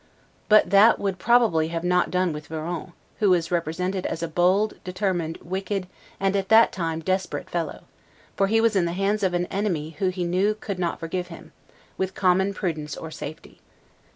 But that would probably not have done with Varon, who is represented as a bold, determined, wicked, and at that time desperate fellow; for he was in the hands of an enemy who he knew could not forgive him, with common prudence or safety.